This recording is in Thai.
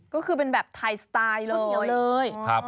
ก็คือเป็นแบบไทยสไตล์เลยครึ่งอย่างเลยครับ